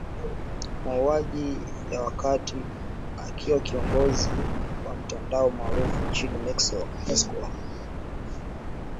mauaji wakati akiwa kiongozi wa mtandao maarufu nchini Mexico wa